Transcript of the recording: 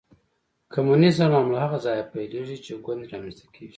کمونیزم له هماغه ځایه پیلېږي چې ګوند رامنځته کېږي.